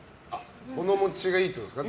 物持ちがいいってことですか。